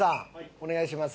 お願いします。